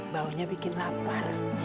baunya bikin lapar